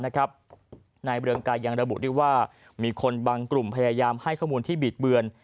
นายเรืองกายยังระบุด้วยว่ามีคนบางกลุ่มพยายามให้ข้อมูลที่บีดเบือน